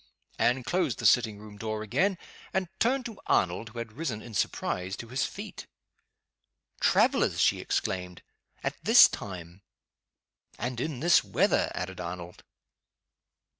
Anne closed the sitting room door again, and turned to Arnold who had risen, in surprise, to his feet. "Travelers!" she exclaimed. "At this time!" "And in this weather!" added Arnold.